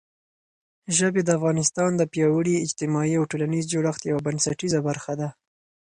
ژبې د افغانستان د پیاوړي اجتماعي او ټولنیز جوړښت یوه بنسټیزه برخه ده.